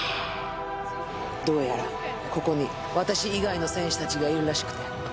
どうやらここに、私以外の戦士たちがいるらしくて。